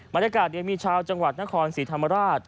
บรรยากาศยังมีชาวจังหวัดนครศรีธรรมราช